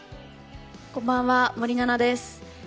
こんばんは森七菜です。